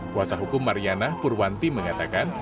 kuasa hukum mariana purwanti mengatakan